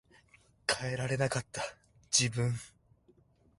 変えられなかった自分